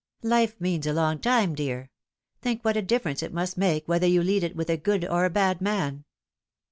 " Life means a long time, dear. Think what a difference it must make whether you lead it with a good or a bad man